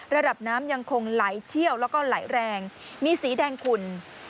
ระดับน้ำยังคงไหลเชี่ยวแล้วก็ไหลแรงมีสีแดงขุ่น